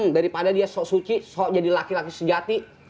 daripada dia sok suci sok jadi laki laki sejati